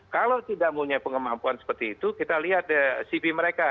kalau tidak punya pengemampuan seperti itu kita lihat cv mereka